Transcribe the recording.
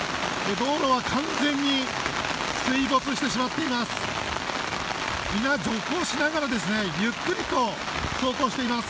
道路は完全に水没してしまっています。